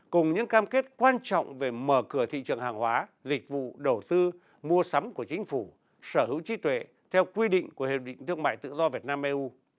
cùng những cam kết quan trọng về mở cửa thị trường hàng hóa dịch vụ đầu tư mua sắm của chính phủ sở hữu trí tuệ theo quy định của hiệp định thương mại tự do việt nam eu